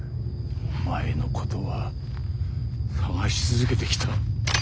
お前のことは捜し続けてきた。